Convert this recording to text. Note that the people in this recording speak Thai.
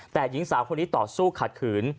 แต่หญิงสาวคนนี้ต่อสู้ขัดขืน